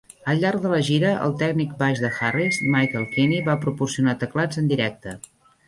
Al llarg de la gira, el tècnic baix de Harris, Michael Kenney, va proporcionar teclats en directe.